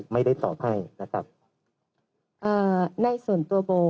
ไม่ได้ตอบให้นะครับอ่าในส่วนตัวโบ